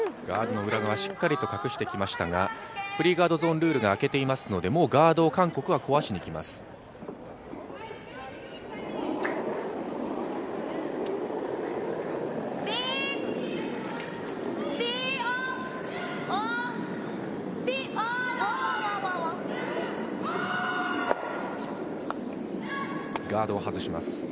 ガードの裏側しっかりと隠してきましたが、フリーガードゾーンルールがあけていますのでもうガードを韓国は壊しにきます。